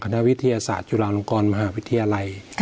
นักวิทยาศาสตร์จุฬาลงกรมหาวิทยาลัย